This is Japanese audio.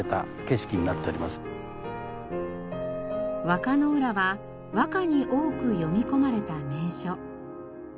和歌の浦は和歌に多く詠み込まれた名所。